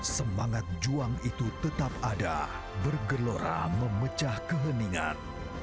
semangat juang itu tetap ada bergelora memecah keheningan